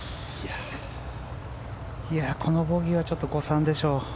このボギーはちょっと誤算でしょう。